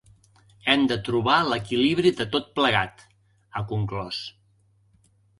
“Hem de trobar l’equilibri de tot plegat”, ha conclòs.